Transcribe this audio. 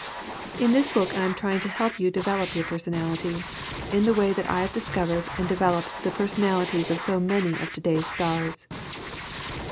In this book I am trying to help you develop your personality, in the way that I have discovered and developed the personalities of so many of today's stars.